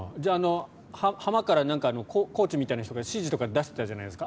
浜からコーチみたいな人が指示とか出してたじゃないですか。